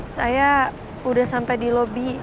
saya udah sampai di lobi